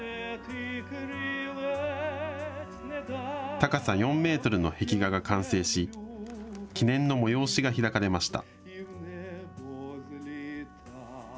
高さ４メートルの壁画が完成し記念の催しが開かれました。